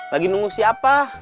lagi nunggu siapa